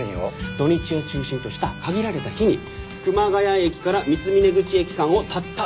土日を中心とした限られた日に熊谷駅から三峰口駅間をたった１日１往復するだけなんです。